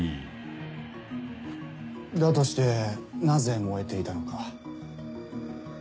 だとしてなぜ燃えていたのか。